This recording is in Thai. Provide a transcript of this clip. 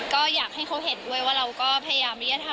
ก็อยากให้เขาเห็นด้วยว่าเราก็พยายามที่จะทำอะไรที่เขาแบบ